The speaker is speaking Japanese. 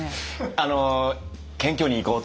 あの謙虚にいこうと。